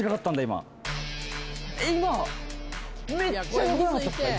今めっちゃよくなかったですか？